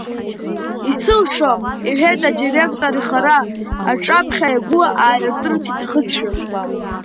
Исылшом, — иҳәеит адиректор, ихара аҽаԥхьа игәы ааиртырц иҭахызшәа.